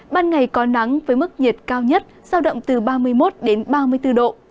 ban ngày có nắng với mức nhiệt cao nhất giao động từ ba mươi một đến ba mươi bốn độ